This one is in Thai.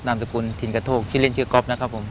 มสกุลทินกระโทกชื่อเล่นชื่อก๊อฟนะครับผม